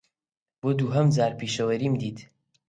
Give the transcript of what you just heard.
بۆ دووهەم جار پیشەوەریم دیت.